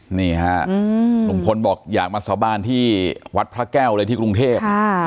นี่ฮะลุงพลบอกอยากมาสาบานที่วัดพระแก้วเลยที่กรุงเทพ